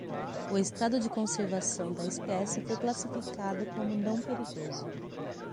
O estado de conservação da espécie foi classificado como não perigoso.